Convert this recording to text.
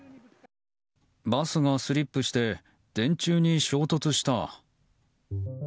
バスがスリップして電柱に衝突した。